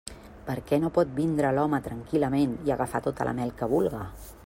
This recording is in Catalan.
Per què no pot vindre l'home tranquil·lament i agafar tota la mel que vulga?